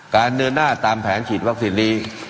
เดินหน้าตามแผนฉีดวัคซีนนี้